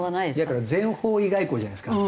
だから全方位外交じゃないですか。